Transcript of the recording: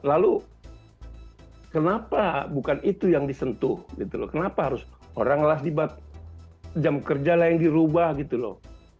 lalu kenapa bukan itu yang disentuh kenapa harus orang orang di jam kerja lain dirubah gitu loh